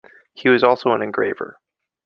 He was also an engraver.